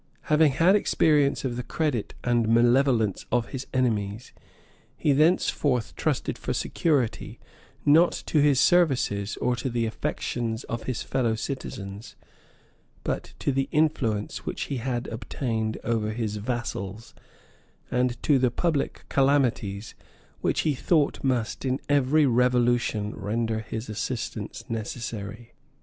Having had experience of the credit and malevolence of his enemies, he thenceforth trusted for security, not to his services, or to the affections of his fellow citizens, but to the influence which he had obtained over his vassals, and to the public calamities, which he thought must, in every revolution, render his assistance necessary.